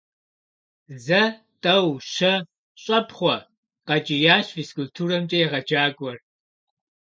Зэ, тӏэу, щэ, щӏэпхъуэ! - къэкӏиящ физкультурэмкӏэ егъэджакӏуэр.